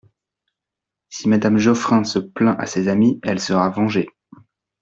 Si Madame Geoffrin se plaint à ses amis, elle sera vengée.